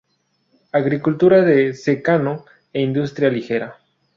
Agricultura de secano e industria ligera.